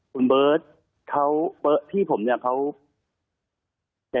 คุณเบิร์ตเขาพี่ผมเนี่ยเขา